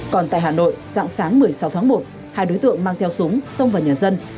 còn tại hà nội dạng sáng một mươi sáu tháng một hai đối tượng mang theo súng xông vào nhà dân